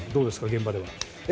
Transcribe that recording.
現場では。